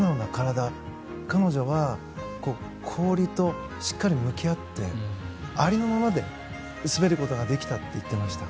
彼女は氷としっかり向き合ってありのままで滑ることができたと言っていました。